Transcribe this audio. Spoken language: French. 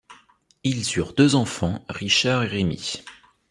Ils eurent deux enfants, Richard et Remy.